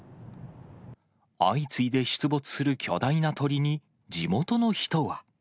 相次いで出没する巨大な鳥に、地元の人は。